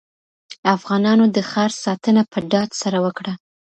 افغانانو د ښار ساتنه په ډاډ سره وکړه.